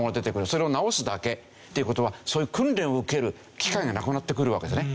それを直すだけ。っていう事はそういう訓練を受ける機会がなくなってくるわけですね。